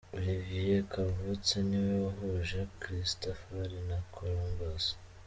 Olivier Kavutse niwe wahuje Christafari na Columbus.